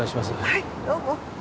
はいどうも。